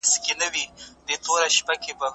زه به سبا زدکړه وکړم!